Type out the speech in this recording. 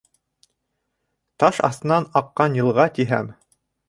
Таш аҫтынан аҡҡан йылға тиһәм